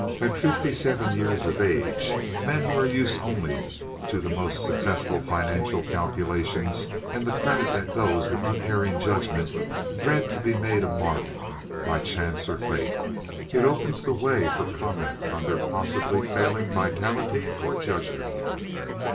At fifty seven years of age men who are used only to the most successful financial calculations and the credit that goes with unerring judgment dread to be made a mark by chance or fate. It opens the way for comment on their possibly failing vitality or judgment.